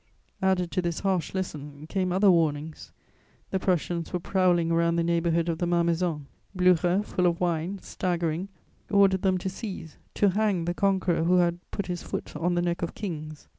Added to this harsh lesson, came other warnings: the Prussians were prowling around the neighbourhood of the Malmaison; Blücher, full of wine, staggering, ordered them to seize, to "hang" the conqueror who had "put his foot on the neck of Kings."